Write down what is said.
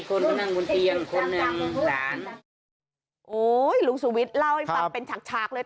คนก็นั่งบนเตียงคนหนึ่งหลานโอ้ยลุงสุวิทย์เล่าให้ฟังเป็นฉากฉากเลย